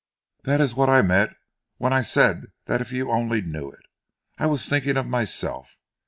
"That is what I meant when I said that if you only knew it, I was thinking of myself.